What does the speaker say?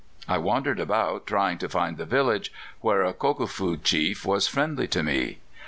I wandered about, trying to find the village, where a Kokofu chief was friendly to me.